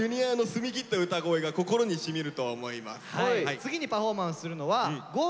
次にパフォーマンスするのはＧｏ！